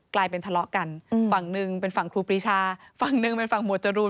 กลายเป็นทะเลาะกันฝั่งหนึ่งเป็นฝั่งครูปรีชาฝั่งหนึ่งเป็นฝั่งหมวดจรูน